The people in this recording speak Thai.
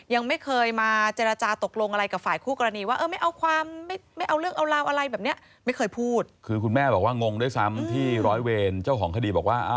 ยังไม่เคยมาเจรจาตกลงอะไรกับฝ่ายคู่กรณีไม่เอาเรื่องเอาราวอะไรมี